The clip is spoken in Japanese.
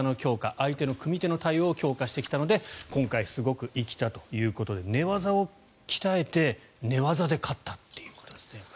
相手の組み手の対応の強化してきたので今回すごく生きたということで寝技を鍛えて寝技で勝ったということですね。